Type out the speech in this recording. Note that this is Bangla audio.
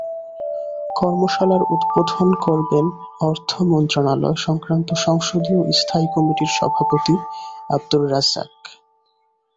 কর্মশালার উদ্বোধন করবেন অর্থ মন্ত্রণালয় সংক্রান্ত সংসদীয় স্থায়ী কমিটির সভাপতি আবদুর রাজ্জাক।